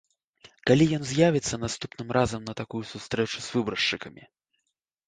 Калі ён з'явіцца наступным разам на такую сустрэчу з выбаршчыкамі.